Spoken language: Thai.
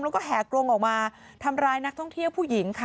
แล้วก็แห่กรงออกมาทำร้ายนักท่องเที่ยวผู้หญิงค่ะ